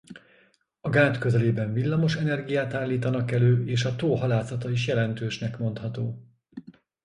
A gát közelében villamos energiát állítanak elő és a tó halászata is jelentősnek mondható.